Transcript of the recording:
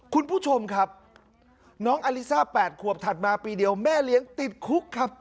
คุณผู้ชมครับน้องอลิซ่า๘ขวบถัดมาปีเดียวแม่เลี้ยงติดคุกครับ